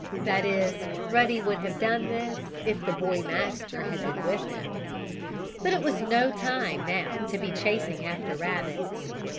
That is Ruddy would have done this if his boy master had been with him. But it was no time, now, to be chasing after rabbits.